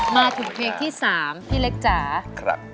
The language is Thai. มาถึงเพลงที่๓พี่เล็กจ๋า